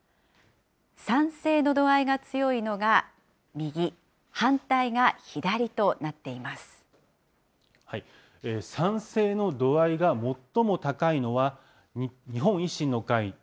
賛成の度合いが強いのが右、賛成の度合いが最も高いのは、日本維新の会。